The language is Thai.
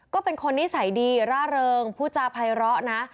ก็เป็นคนนิสัยดีร่าเริงผู้จาภัยร้อนะ